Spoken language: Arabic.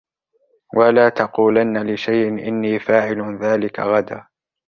وَلَا تَقُولَنَّ لِشَيْءٍ إِنِّي فَاعِلٌ ذَلِكَ غَدًا